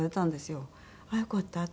ああよかったと。